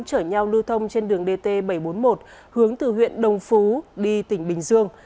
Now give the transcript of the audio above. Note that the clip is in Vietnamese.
chở nhau lưu thông trên đường dt bảy trăm bốn mươi một hướng từ huyện đồng phú đi tỉnh bình dương